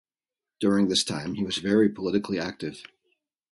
During this time he was very politically active.